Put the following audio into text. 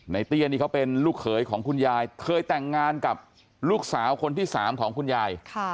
เตี้ยนี่เขาเป็นลูกเขยของคุณยายเคยแต่งงานกับลูกสาวคนที่๓ของคุณยาย